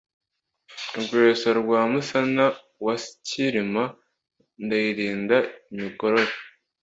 Rwesa rwa Musana wa Cyilima Ndayirinda imigorora.